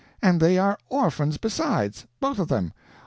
And they are orphans besides both of them.